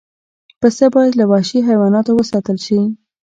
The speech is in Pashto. پسه باید له وحشي حیواناتو وساتل شي.